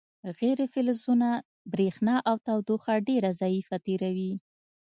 غیر فلزونه برېښنا او تودوخه ډیره ضعیفه تیروي.